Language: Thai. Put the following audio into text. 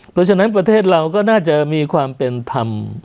เพราะฉะนั้นประเทศเราก็น่าจะมีความเป็นธรรม